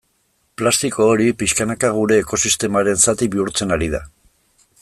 Plastiko hori pixkanaka gure ekosistemaren zati bihurtzen ari da.